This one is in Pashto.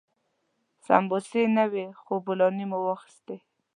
سمبوسې نه وې خو بولاني مو واخيستې.